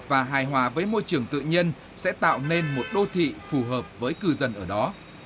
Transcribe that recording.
và hài hòa với môi trường tự nhiên sẽ tạo nên một đô thị phù hợp với cư dân ở đó